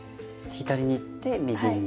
左にいって右に。